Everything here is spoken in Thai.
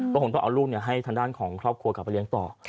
เพราะผมต้องเอารูปให้ทันด้านของครอบครัวกลับไปเลี้ยงต่อ